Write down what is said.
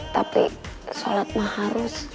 tapi sholat mah harus